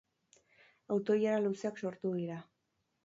Auto-ilara luzeak sortu dira.